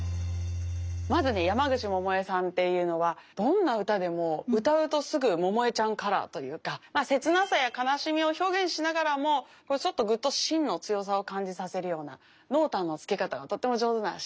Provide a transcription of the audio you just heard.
まずね山口百恵さんっていうのはどんな歌でも歌うとすぐ百恵ちゃんカラーというか切なさや悲しみを表現しながらもぐっとしんの強さを感じさせるような濃淡の付け方がとっても上手なシンガーですよね。